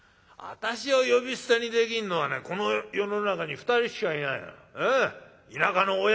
私を呼び捨てにできんのはねこの世の中に２人しかいないの。